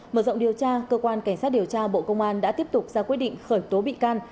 mở rộng điều tra cơ quan cảnh sát điều tra bộ công an đã tiếp tục ra quyết định khởi tố bị can